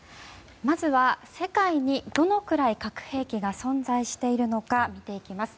まずは世界に、どのくらい核兵器が存在しているのか見ていきます。